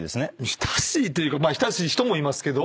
親しいというかまあ親しい人もいますけど。